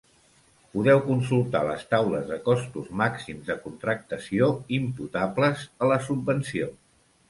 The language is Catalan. Podeu consultar les taules de costos màxims de contractació imputables a la subvenció.